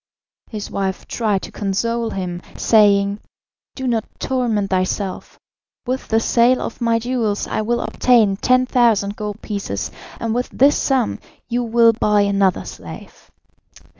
His wife tried to console him, saying: "Do not torment thyself. With the sale of my jewels I will obtain 10,000 gold pieces, and with this sum you will buy another slave."